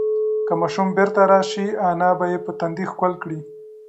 که ماشوم بیرته راشي، انا به یې په تندي ښکل کړي.